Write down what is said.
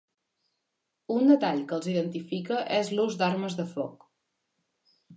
Un detall que els identifica és l'ús d'armes de foc.